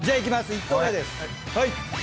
１投目です。